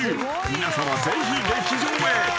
［皆さまぜひ劇場へ］